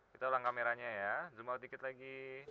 kita ulang kameranya ya zoom out dikit lagi